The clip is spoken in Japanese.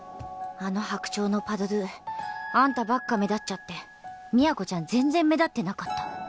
あの「白鳥」のパ・ド・ドゥあんたばっか目立っちゃって都ちゃん全然目立ってなかった。